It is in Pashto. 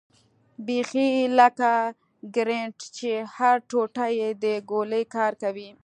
بيخي لکه ګرنېټ چې هره ټوټه يې د ګولۍ کار کوي.